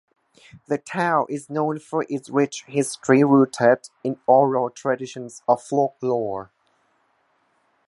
The town is known for its rich history rooted in oral traditions of folklore.